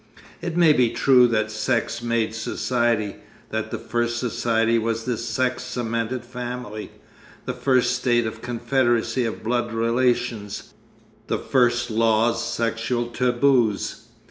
It may be true that sex made society, that the first society was the sex cemented family, the first state a confederacy of blood relations, the first laws sexual taboos.